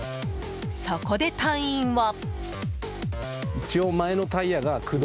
そこで隊員は。